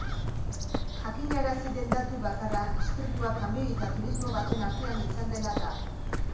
Jakinarazi den datu bakarra istripua kamioi eta turismo baten artean izan dela da.